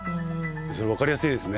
それ分かりやすいですね。